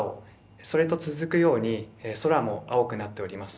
それと続くように空も青くなっております。